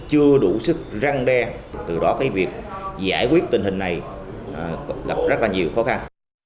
chưa đủ sức răng đe từ đó việc giải quyết tình hình này gặp rất nhiều khó khăn